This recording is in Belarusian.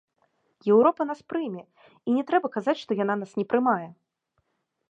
Еўропа нас прыме, і не трэба казаць, што яна нас не прымае.